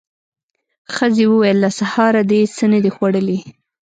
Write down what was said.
ښځې وويل: له سهاره دې څه نه دي خوړلي.